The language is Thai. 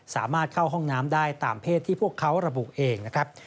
สามารถเข้าห้องน้ำได้ตามเพศที่พวกเขาระบุเองนะครับ